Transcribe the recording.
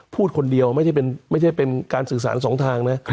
พูดคนเดียวไม่ใช่เป็นการสื่อสารสองทางนะ